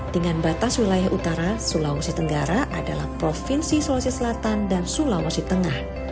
dengan batas wilayah utara sulawesi tenggara adalah provinsi sulawesi selatan dan sulawesi tengah